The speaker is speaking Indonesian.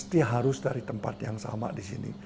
dia harus dari tempat yang sama di sini